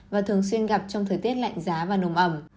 và thường xuyên gặp trong thời tiết lạnh giá và nồm ẩm